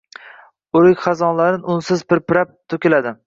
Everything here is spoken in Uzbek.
O’rik xazonlari unsiz pirpirab to’kiladi.